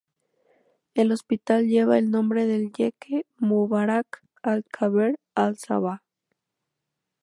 El hospital lleva el nombre del jeque Mubarak Al-Kabeer Al-Sabah.